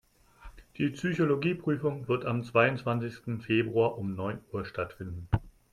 Die Psychologie-Prüfung wird am zweiundzwanzigsten Februar um neun Uhr stattfinden.